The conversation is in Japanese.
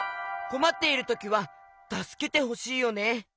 こまっているときはたすけてほしいよね。